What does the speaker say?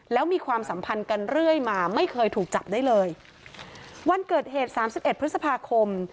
แล้วมีความสัมพันธ์กันเรื่อยมาไม่เคยถูกจับได้เลยวันเกิดเหตุสามสิบเอ็ดพฤษภาคม